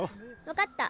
わかった。